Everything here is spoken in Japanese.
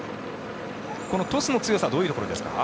このトスの強さはどういうところですか？